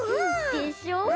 でしょ？